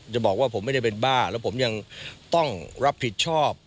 บอกว่าผมไม่ได้เป็นบ้าแล้วผมยังต้องรับผิดชอบ